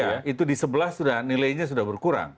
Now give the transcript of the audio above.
ya itu di sebelah nilainya sudah berkurang